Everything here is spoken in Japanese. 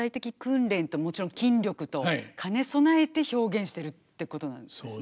もちろん筋力と兼ね備えて表現してるってことなんですね。